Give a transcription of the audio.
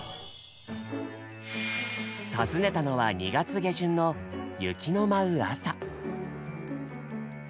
訪ねたのは２月下旬の雪の舞う朝。